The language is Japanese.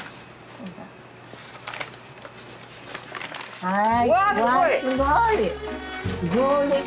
はい。